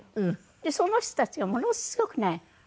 その人たちがものすごくね